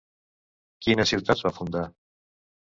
Quines ciutats va fundar?